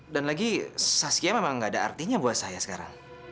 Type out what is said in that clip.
dan lagi saskia memang gak ada artinya buat saya sekarang